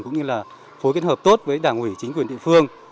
cũng như là phối kết hợp tốt với đảng ủy chính quyền địa phương